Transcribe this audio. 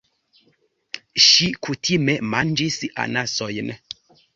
Ŝi kutime manĝis anasojn.